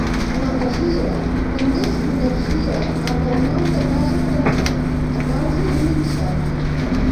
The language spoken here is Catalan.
La masia també es coneixia amb el nom de Casa Cremada a causa d'un incendi.